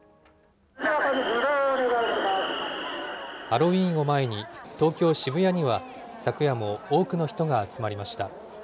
ハロウィーンを前に、東京・渋谷には昨夜も多くの人が集まりました。